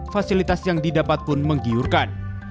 fasilitas yang didapat pun menggiurkan